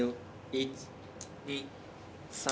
１２３。